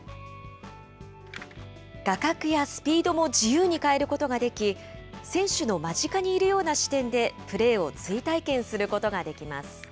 画角やスピードも自由に変えることができ、選手の間近にいるような視点でプレーを追体験することができます。